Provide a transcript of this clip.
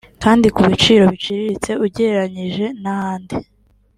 kandi ku biciro biciriritse ugereranije n’ahandi